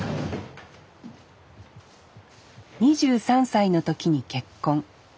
２３歳の時に結婚。